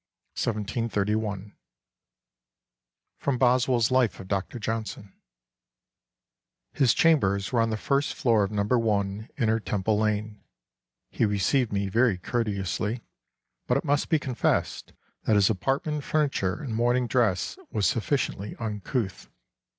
'" 1731. [Sidenote: Boswell's Life of Dr. Johnson.] "His chambers were on the first floor of No. 1 Inner Temple Lane.... He received me very courteously; but it must be confessed that his apartment and furniture and morning dress was sufficiently uncouth.